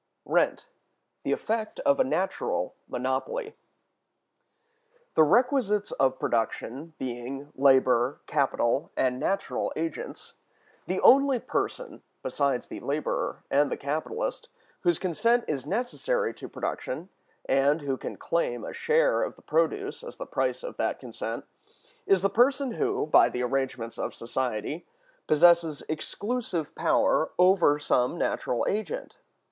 Rent the Effect of a Natural Monopoly. The requisites of production being labor, capital, and natural agents, the only person, besides the laborer and the capitalist, whose consent is necessary to production, and who can claim a share of the produce as the price of that consent, is the person who, by the arrangements of society, possesses exclusive power over some natural agent.